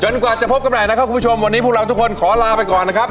กว่าจะพบกันใหม่นะครับคุณผู้ชมวันนี้พวกเราทุกคนขอลาไปก่อนนะครับ